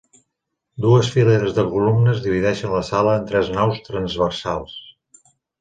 Dues fileres de columnes divideixen la sala en tres naus transversals.